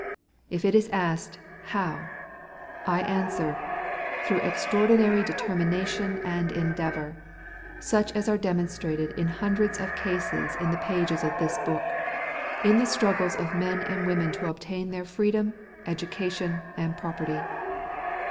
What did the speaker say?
If it is asked "how?" I answer, "through extraordinary determination and endeavor," such as are demonstrated in hundreds of cases in the pages of this book, in the struggles of men and women to obtain their freedom, education and property.